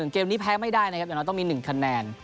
เกมนี้แพ้ไม่ได้นะครับเดี๋ยวเราต้องมี๑คะแนน